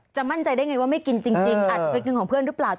มั่นใจได้ไงว่าไม่กินจริงอาจจะเป็นเงินของเพื่อนหรือเปล่า